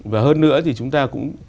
và hơn nữa thì chúng ta cũng